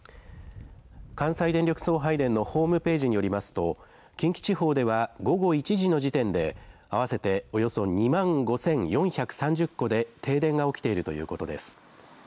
関西電力送配電のホームページによりますと近畿地方では午後１時の時点で合わせておよそ２万５４３０戸で停電が起きているということです。